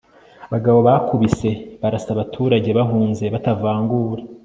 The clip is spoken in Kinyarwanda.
abagabo bakubise, barasa abaturage bahunze batavangura